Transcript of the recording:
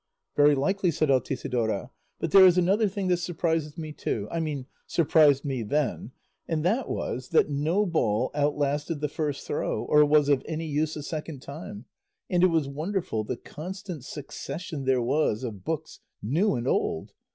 "Very likely," said Altisidora; "but there is another thing that surprises me too, I mean surprised me then, and that was that no ball outlasted the first throw or was of any use a second time; and it was wonderful the constant succession there was of books, new and old.